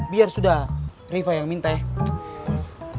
biar sudah riva yang minta ya